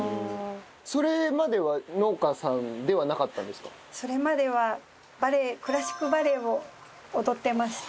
それまではそれまではバレエクラシックバレエを踊ってました。